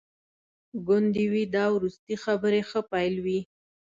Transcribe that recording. ګوندي وي دا وروستي خبري ښه پیل وي.